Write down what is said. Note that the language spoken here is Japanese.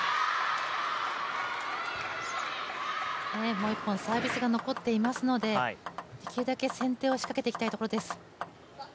もう１本サービスが残っていますので、できるだけ先手を仕掛けていきたいところです。